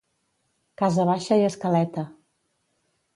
Casa baixa i escaleta.